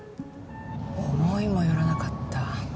思いもよらなかった。